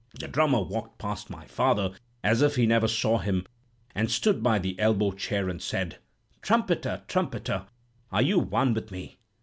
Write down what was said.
"The drummer walked past my father as if he never saw him, and stood by the elbow chair and said: "'Trumpeter, trumpeter, are you one with me?'